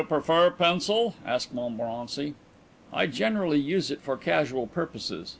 "You prefer pencil?" asked Montmorency. "I generally use it for casual purposes.